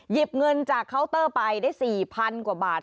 หยิบเงินจากเคาน์เตอร์ไปได้๔๐๐๐กว่าบาท